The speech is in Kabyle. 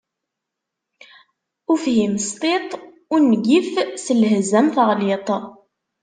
Ufhim s tiṭ, ungif s lhezz am teɣliḍt.